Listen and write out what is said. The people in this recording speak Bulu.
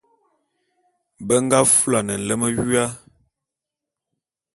Be nga fulane nlem wua.